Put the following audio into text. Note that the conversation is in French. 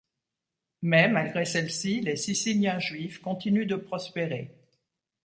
Mais, malgré celles-ci, les siciliens juifs continuent de prospérer.